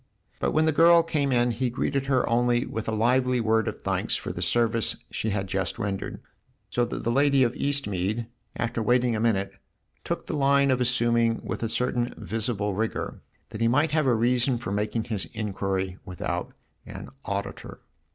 But when the girl came in he greeted her only with a lively word of thanks for the service she had just rendered ; so that the lady of Eastmead, after waiting a minute, took the line of assuming with a certain visible rigour that he might have a reason for making his inquiry without an auditor.